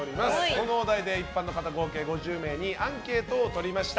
そのお題で一般の方合計５０名にアンケートを取りました。